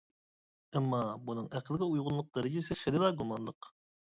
ئەمما بۇنىڭ ئەقىلگە ئۇيغۇنلۇق دەرىجىسى خېلىلا گۇمانلىق.